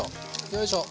よいしょ。